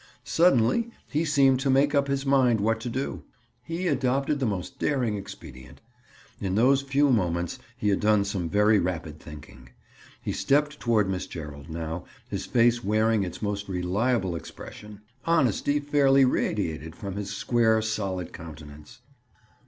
Suddenly he seemed to make up his mind what to do; he adopted the most daring expedient. In those few moments he had done some very rapid thinking. He stepped toward Miss Gerald now, his face wearing its most reliable expression. Honesty fairly radiated from his square solid countenance.